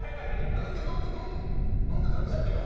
何で飲んでたんですか。